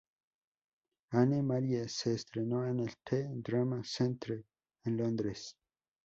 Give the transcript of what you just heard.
Anne-Marie se entrenó en el "The Drama Centre" en Londres.